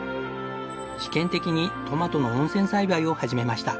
試験的にトマトの温泉栽培を始めました。